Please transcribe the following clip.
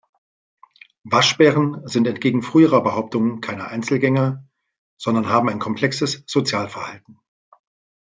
Waschbären sind entgegen früheren Behauptungen keine Einzelgänger, sondern haben ein komplexes Sozialverhalten.